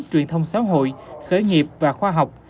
truyền thông xã hội khởi nghiệp và khoa học